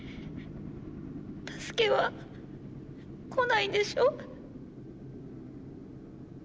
☎助けは来ないんでしょ？